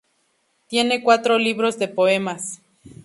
Tiene cuatro libros de poemas.